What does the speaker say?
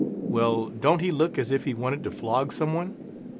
Well, don't he look as if he wanted to flog someone?